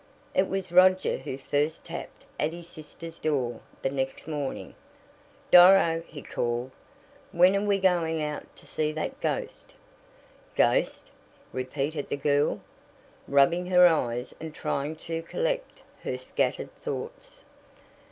It was Roger who first tapped at his sister's door the next morning. "Doro," he called, "when are we going out to see that ghost?" "Ghost?" repeated the girl, rubbing her eyes and trying to collect her scattered thoughts.